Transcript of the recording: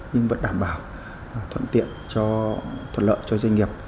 nhưng vẫn đảm bảo thuận lợi cho doanh nghiệp